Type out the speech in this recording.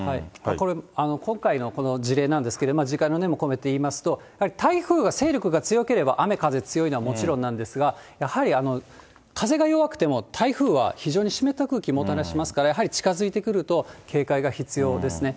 これ、今回のこの事例なんですけど、自戒の念も込めて言いますと、やはり台風が勢力が強ければ雨風強いのはもちろんなんですが、やはり風が弱くても台風は非常に湿った空気もたらしますから、やはり近づいてくると、警戒が必要ですね。